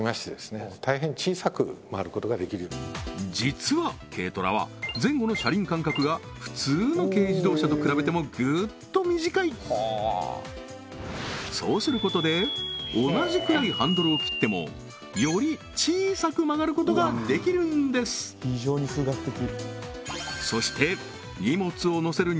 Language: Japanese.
実は軽トラは前後の車輪間隔が普通の軽自動車と比べてもぐっと短いそうすることで同じくらいハンドルを切ってもより小さく曲がることができるんですそして